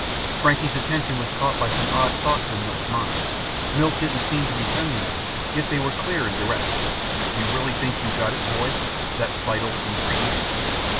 Frankie's attention was caught by some odd thoughts in Milt's mind. Milt didn't seem to be sending them, yet they were clear and direct: _You really think you've got it, boy? That vital ingredient?